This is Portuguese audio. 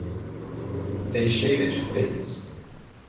Teixeira de Freitas